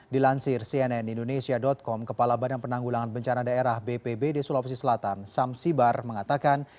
dilansir cnn indonesia com kepala badan penanggulangan bencana daerah bpb di sulawesi selatan sam sibar mengatakan